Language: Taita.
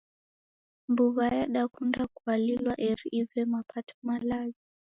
Mbuw'a yadakunda kualilwa eri ive mapato malazi.